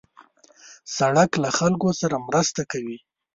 سړک له خلکو سره مرسته کوي.